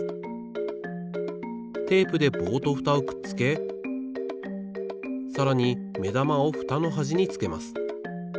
テープで棒とフタをくっつけさらにめだまをフタのはじにつけます。